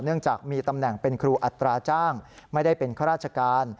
เนื่องจากมีตำแหน่งเป็นครูอัตราจ้างไม่ได้เป็นข้าราชการ